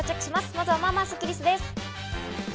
まずは、まあまあスッキりすです。